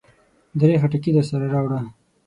درې خټکي درسره راوړه.